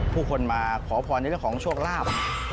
ผู้คนมาขอพรในเรื่องของโชคลาภ